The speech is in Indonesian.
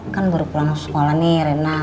kan baru pulang sekolah nih rena